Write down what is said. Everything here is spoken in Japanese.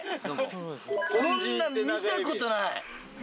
こんなん見たことない！